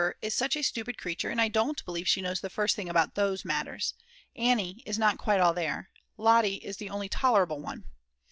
is such a stupid creature, and I don't believe she knows the first thing about those matters; Annie is not quite all there, Lotte is the only tolerable one.